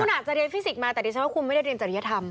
คุณอาจจะเรียนฟิสิกสมาแต่ดิฉันว่าคุณไม่ได้เรียนจริยธรรม